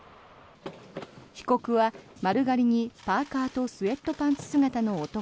被告は丸刈りに、パーカとスウェットパンツ姿の男。